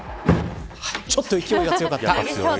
ちょっと勢いが強かった。